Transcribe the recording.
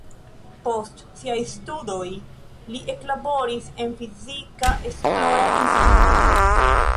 Post siaj studoj li eklaboris en fizika esplora instituto.